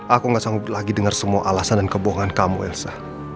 aku gak sanggup lagi dengar semua alasan dan kebohongan kamu elsa